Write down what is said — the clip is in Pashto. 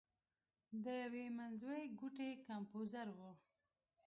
د یوې منځوۍ ګوتې کمپوزر و.